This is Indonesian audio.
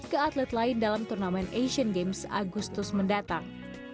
ke atlet lain dalam turnamen asian games agustus mendatang